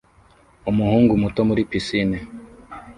Umuhungu muto muri pisine